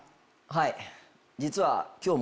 はい。